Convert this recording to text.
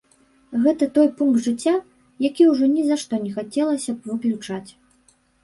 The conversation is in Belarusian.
Гэта той пункт жыцця, які ўжо ні за што не хацелася б выключаць.